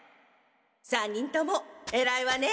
３人ともえらいわね。